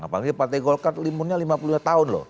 apalagi partai golkar limunnya lima puluh lima tahun loh